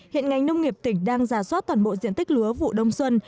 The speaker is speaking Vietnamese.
hiện ngành nông nghiệp tỉnh đang giả soát toàn bộ diện tích lúa vụ đông xuân